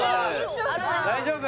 大丈夫？